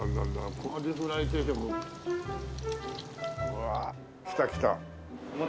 わあ来た来た。